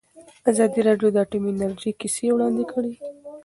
ازادي راډیو د اټومي انرژي کیسې وړاندې کړي.